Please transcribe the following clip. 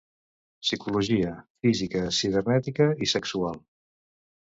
Psicològica, física, cibernètica i sexual.